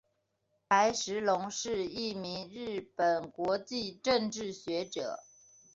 白石隆是一名日本国际政治学者。